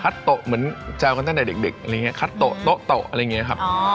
คัทโตเหมือนเจ้ากันตั้งแต่เด็กอะไรอย่างเงี้ยคัตโตโตโตอะไรอย่างเงี้ยครับ